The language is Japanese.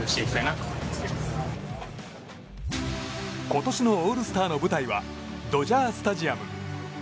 今年のオールスターの舞台はドジャースタジアム。